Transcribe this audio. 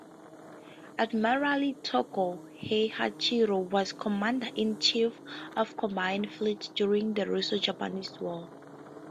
Admiral Togo Heihachiro was commander-in-chief of Combined Fleet during the Russo-Japanese War.